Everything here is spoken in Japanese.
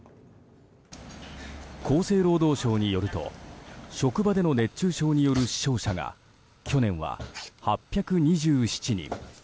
厚生労働省によると職場での熱中症による死傷者が去年は８２７人。